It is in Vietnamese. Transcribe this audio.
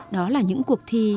đó là những cuộc thi